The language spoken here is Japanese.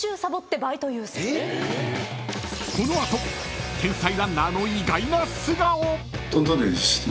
［天才ランナーの意外な素顔］